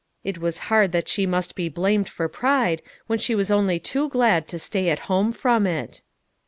It was hard that she must be blamed for pride, when she was only too glad to stay at home from it.